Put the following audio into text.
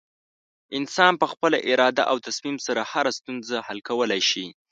انسان په خپله اراده او تصمیم سره هره ستونزه حل کولی شي.